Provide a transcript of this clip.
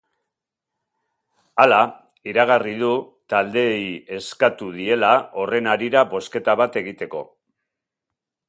Hala, iragarri du taldeei eskatu diela horren harira bozketa bat egiteko.